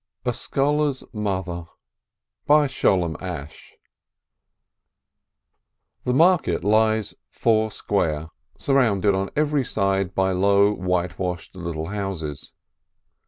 A SCHOLAR'S MOTHER The market lies foursquare, surrounded on every side by low, whitewashed little houses.